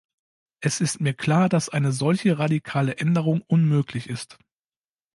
Es ist mir klar, dass eine solche radikale Änderung unmöglich ist.